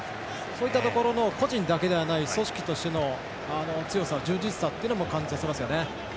そういったところの個人だけではない組織としての強さ、充実さも感じさせますよね。